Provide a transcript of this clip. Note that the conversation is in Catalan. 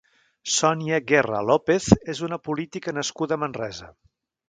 Sonia Guerra López és una política nascuda a Manresa.